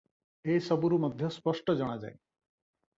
ଏ ସବୁରୁ ମଧ୍ୟ ସ୍ପଷ୍ଟ ଜଣାଯାଏ ।